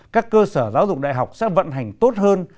các cơ sở giáo dục đại học sẽ vận hành tốt hơn